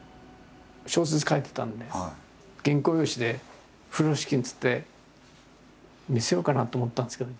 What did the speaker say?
小説書いてたんで原稿用紙で風呂敷につって見せようかなと思ったんですけど。